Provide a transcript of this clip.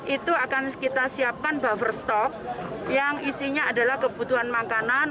itu akan kita siapkan buffer stock yang isinya adalah kebutuhan makanan